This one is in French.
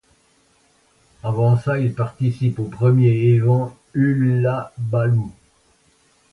Avant ça, il participe au premier event Hullabaloo!